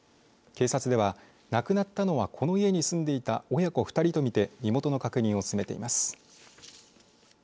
警察では、亡くなったのはこの家に住んでいた親子２人とみて身元の確認を進めています。